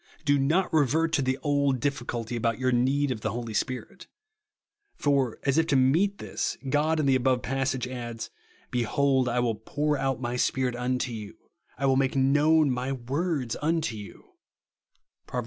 Do not revert to the old difficulty about your need of the Holy Spirit ; for, as if to meet this, God, in the above passage, adds, " Be hold I will pour out my SjDirit unto you, I will make known my words unto you," (iVoA'. i.